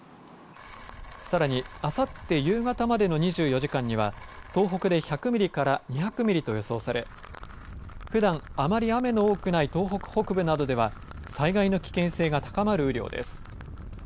さらに、あさって夕方までの２４時間には東北で１００ミリから２００ミリと予想されふだん、あまり雨が多くない東北北部などでは災害の危険性が高まる雨量です。